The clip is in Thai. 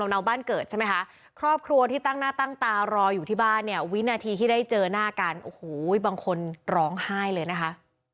เนาบ้านเกิดใช่ไหมคะครอบครัวที่ตั้งหน้าตั้งตารออยู่ที่บ้านเนี่ยวินาทีที่ได้เจอหน้ากันโอ้โหบางคนร้องไห้เลยนะคะ